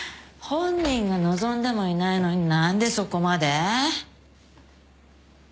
本人が望んでもいないのに何でそこまで？